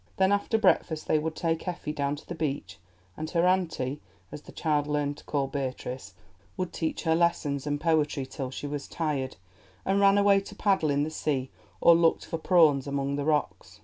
Then after breakfast they would take Effie down to the beach, and her "auntie," as the child learned to call Beatrice, would teach her lessons and poetry till she was tired, and ran away to paddle in the sea or look for prawns among the rocks.